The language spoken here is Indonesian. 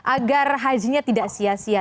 agar hajinya tidak sia sia